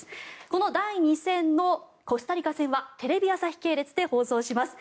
この第２戦のコスタリカ戦はテレビ朝日系列で放送します。